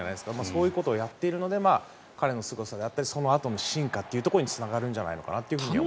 そういうことをやっているので彼のすごさであったりそのあとの進化につながるんじゃないかと思います。